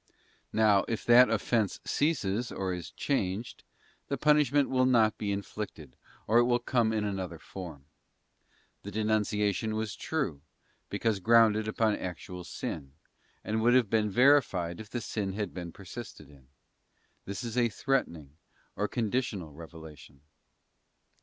Now if that offence ceases or is changed, the punishment will not be inflicted, or it will come in another form. The denunciation was true, because grounded upon actual sin, and would have been verified if the sin had been persisted in. This is a threatening or conditional revelation.